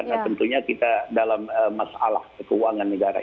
dan kita dalam masalah keuangan negara